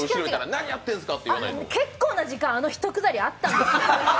結構な時間、あの１くだりあったんです。